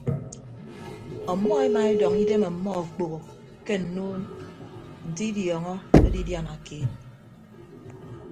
Ọmmọ emaedọñ idem ọmmọ okpoho ke nnuun nte idiọñọ edidiana keet.